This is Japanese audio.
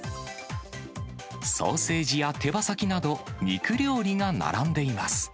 ソーセージや手羽先など、肉料理が並んでいます。